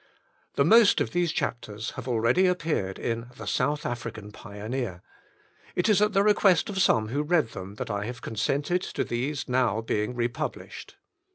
The most of these chapters have already ap peared in The South African Pioneer; it is at the request of some who read them that I have con sented to these now being republished.